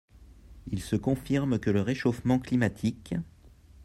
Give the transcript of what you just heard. Il se confirme que le réchauffement climatique